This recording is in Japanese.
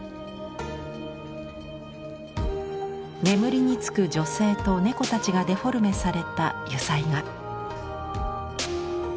眠りにつく女性と猫たちがデフォルメされた油彩画。